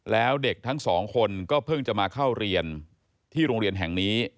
แล้วเด็กทั้งสองคนก็เพิ่งจะมาเข้าเรียนที่โรงเรียนแห่งนี้